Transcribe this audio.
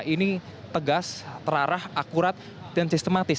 ini tegas terarah akurat dan sistematis